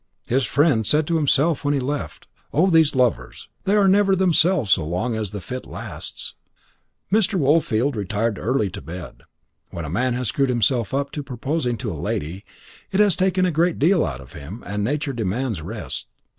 His friend said to himself when he left: "Oh, these lovers! They are never themselves so long as the fit lasts." Mr. Woolfield retired early to bed. When a man has screwed himself up to proposing to a lady, it has taken a great deal out of him, and nature demands rest.